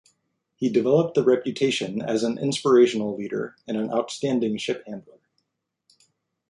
He developed the reputation as an inspirational leader and an outstanding ship handler.